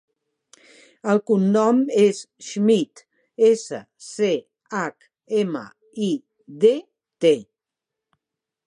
El cognom és Schmidt: essa, ce, hac, ema, i, de, te.